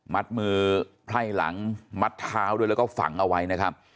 มือไพร่หลังมัดเท้าด้วยแล้วก็ฝังเอาไว้นะครับ